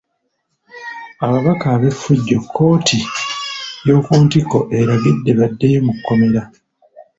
Ababaka ab'effujjo kkooti y'oku ntikko eragidde baddeyo mu kkomera .